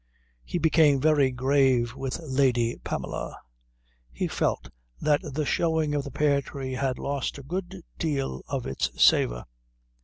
He became very grave with Lady Pamela. He felt that the showing of the pear tree had lost a good deal of its savour.